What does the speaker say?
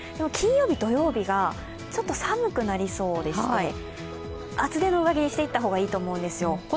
金曜日、土曜日がちょっと寒くなりそうでして厚手の上着にしていったほうがいいと思うんですよ。